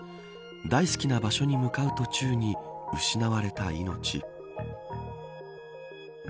大好きな場所に向かう途中に失われた命。